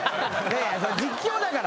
実況だから。